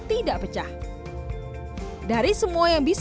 kalau masak dan bisa latihan air